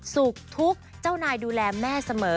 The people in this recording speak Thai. สุขทุกข์เจ้านายดูแลแม่เสมอ